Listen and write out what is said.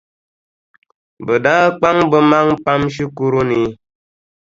Bɛ daa kpaŋ bɛ maŋa pam shikuru ni.